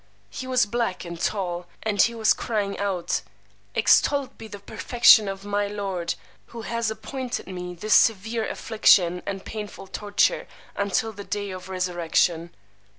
He was black and tall; and he was crying out, Extolled be the perfection of my Lord, who hath appointed me this severe affliction and painful torture until the day of resurrection!